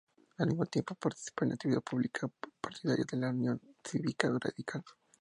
Al mismo tiempo, participa en la actividad política partidaria de la Unión Cívica Radical.